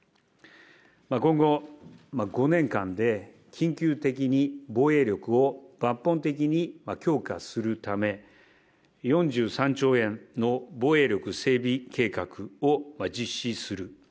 今後、５年間で緊急的に防衛力を抜本的に強化するため、４３兆円の防衛力整備計画を実施する。